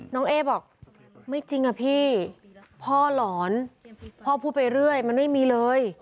เอ๊บอกไม่จริงอะพี่พ่อหลอนพ่อพูดไปเรื่อยมันไม่มีเลย